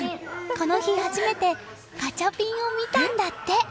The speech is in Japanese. この日初めてガチャピンを見たんだって。